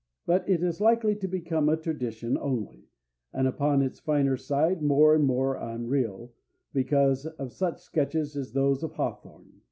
But it is likely to become a tradition only, and upon its finer side more and more unreal, because of such sketches as those of Hawthorne.